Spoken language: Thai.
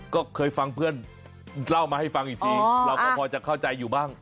ก็เคยฟังเพื่อนเล่ามาให้ฟังอีกทีเราก็พอจะเข้าใจอยู่บ้าง